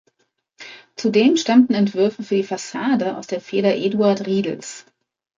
Zudem stammten Entwürfe für die Fassade aus der Feder Eduard Riedels.